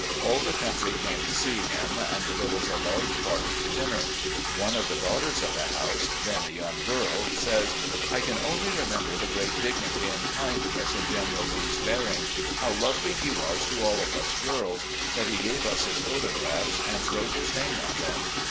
All the country came to see him, and there was a large party to dinner. One of the daughters of the house, then a young girl, says; "I can only remember the great dignity and kindness of General Lee's bearing, how lovely he was to all of us girls, that he gave us his photographs and wrote his name on them.